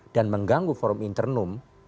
dan mengganggu forum internum